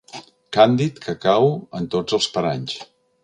Càndid que cau en tots els paranys.